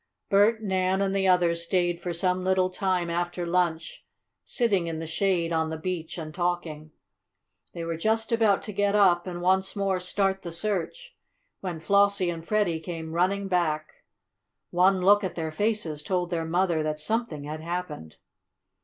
Bert, Nan and the others stayed for some little time after lunch, sitting in the shade on the beach, and talking. They were just about to get up and once more start the search; when Flossie and Freddie came running back. One look at their faces told their mother that something had happened.